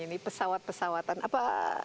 ini pesawat pesawatan apa